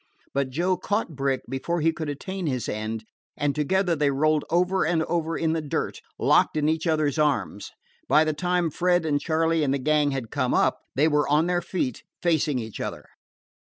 But Joe caught Brick before he could attain his end, and together they rolled over and over in the dirt, locked in each other's arms. By the time Fred and Charley and the gang had come up, they were on their feet, facing each other.